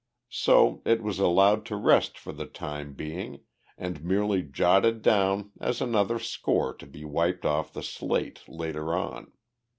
So it was allowed to rest for the time being and merely jotted down as another score to be wiped off the slate later on.